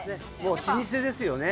老舗ですよね